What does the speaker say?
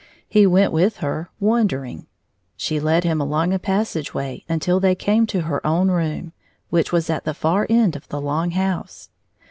He went with her, wondering. She led him along a pas sage way until they came to her own room, which was at the far end of the long house.